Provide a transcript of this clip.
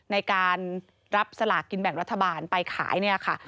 ในการรับสลากกินแบ่งรัฐบาลไปขายเนี่ยค่ะ